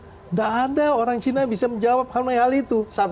tidak ada orang cina yang bisa menjawab hal hal itu